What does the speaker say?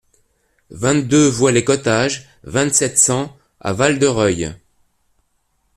vingt-deux voie Les Cottages, vingt-sept, cent à Val-de-Reuil